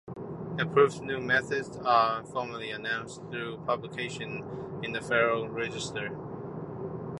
Approved new methods are formally announced through publication in the Federal Register.